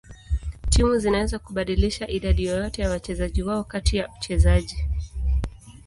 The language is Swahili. Timu zinaweza kubadilisha idadi yoyote ya wachezaji wao kati ya uchezaji.